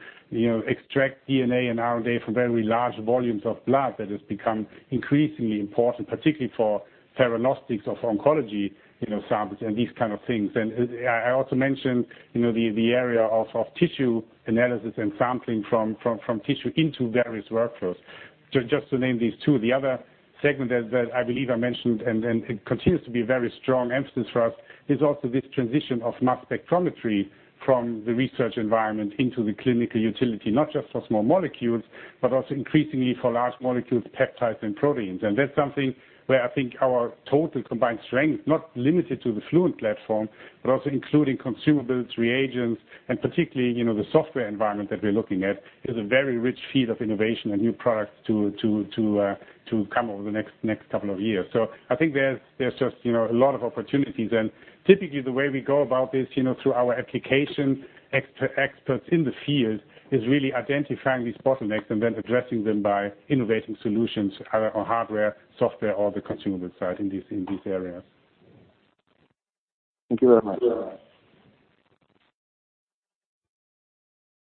extract DNA and RNA from very large volumes of blood. That has become increasingly important, particularly for diagnostics of oncology samples and these kind of things. I also mentioned the area of tissue analysis and sampling from tissue into various workflows. Just to name these two, the other segment that I believe I mentioned, and it continues to be a very strong emphasis for us, is also this transition of mass spectrometry from the research environment into the clinical utility, not just for small molecules, but also increasingly for large molecules, peptides, and proteins. That's something where I think our total combined strength, not limited to the Fluent platform, but also including consumables, reagents, and particularly, the software environment that we're looking at, is a very rich field of innovation and new products to come over the next couple of years. I think there's just a lot of opportunities, and typically the way we go about this, through our applications, experts in the field, is really identifying these bottlenecks and then addressing them by innovating solutions, either on hardware, software, or the consumable side in these areas. Thank you very much.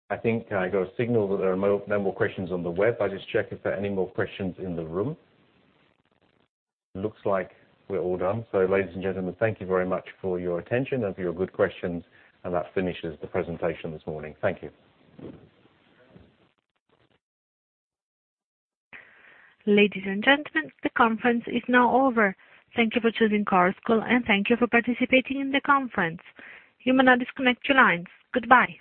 I think I got a signal that there are no more questions on the web. I'll just check if there are any more questions in the room. Looks like we're all done. Ladies and gentlemen, thank you very much for your attention and for your good questions, and that finishes the presentation this morning. Thank you. Ladies and gentlemen, the conference is now over. Thank you for choosing Chorus Call, and thank you for participating in the conference. You may now disconnect your lines. Goodbye.